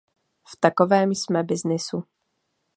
V takovém jsme byznysu.